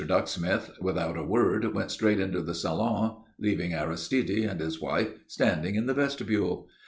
Ducksmith, without a word, went straight into the salon, leaving Aristide and his wife standing in the vestibule.